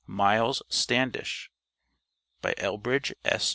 MILES STANDISH By ELBRIDGE S.